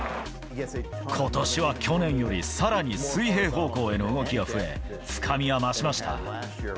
ことしは去年よりさらに水平方向への動きが増え、深みは増しました。